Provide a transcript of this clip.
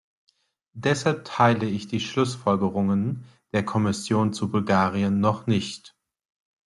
Deshalb teile ich die Schlussfolgerungen der Kommission zu Bulgarien noch nicht.